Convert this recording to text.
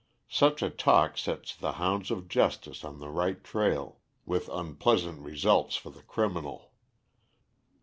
Such a talk sets the hounds of justice on the right trail, with unpleasant results for the criminal.